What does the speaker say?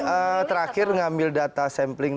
saya terakhir mengambil data sampling